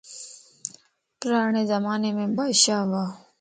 پراڙي زماني مَ بادشاهه ھُوا